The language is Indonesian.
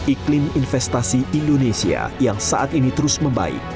iklim investasi indonesia yang saat ini terus membaik